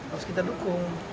harus kita dukung